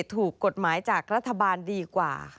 ถูกกฎหมายจากรัฐบาลดีกว่า